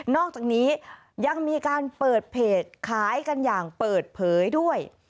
อกจากนี้ยังมีการเปิดเพจขายกันอย่างเปิดเผยด้วย